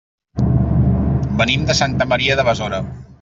Venim de Santa Maria de Besora.